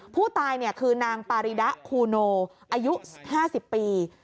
ผู้ตายคือนางปาริดะคูโนอายุ๕๐ปี